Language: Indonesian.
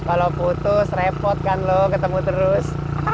kalau putus repot kan loh ketemu terus